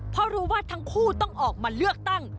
เพราะรู้ว่าทั้งคู่ต้องออกมาเลือกตั้ง